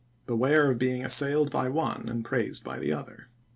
Beware of being assailed by ^v^idl" one and praised by the other."